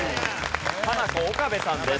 ハナコ岡部さんです。